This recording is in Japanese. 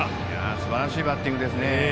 すばらしいバッティングですね。